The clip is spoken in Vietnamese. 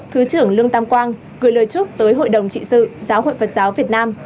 thứ trưởng lương tam quang gửi lời chúc tới hội đồng trị sự giáo hội phật giáo việt nam